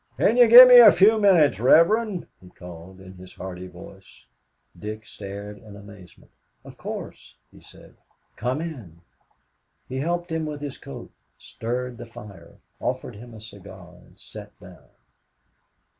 "Can you give me a few minutes, Reverend?" he called, in his hearty voice. Dick stared in amazement. "Of course," he said. "Come in." He helped him with his coat, stirred the fire, offered him a cigar, and sat down.